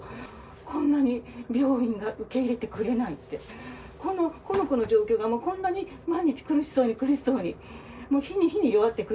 こんなに病院が受け入れてくれないって、この子の状況がもうこんなに毎日苦しそうに、苦しそうに。